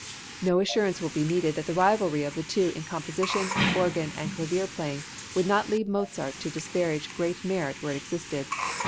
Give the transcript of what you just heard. No assurance will be needed that the rivalry of the two in composition, organ and clavier playing, would not lead Mozart to disparage great merit where it existed.